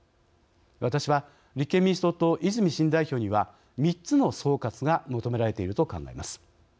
わたしは立憲民主党と泉新代表には３つの総括が求められていると考えます。